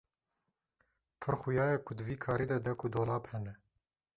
Pir xuya ye ku di vî karî de dek û dolap hene.